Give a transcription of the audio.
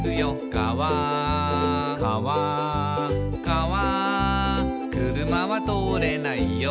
「かわ車は通れないよ」